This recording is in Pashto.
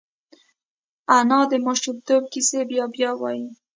انا د ماشومتوب کیسې بیا بیا وايي